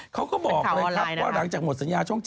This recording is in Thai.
เขาบอกเลยครับว่าหลังจากหมดสัญญาช่อง๗